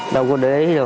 đâu có đế đâu